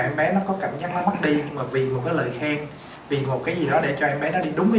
em bé nó có cảm giác nó mất đi mà vì một cái lời khen vì một cái gì đó để cho em bé đó đi đúng cái